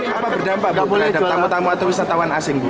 apa berdampak bagi tamu tamu atau wisatawan asing